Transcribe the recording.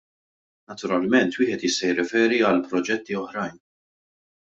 Naturalment wieħed jista' jirriferi għal proġetti oħrajn.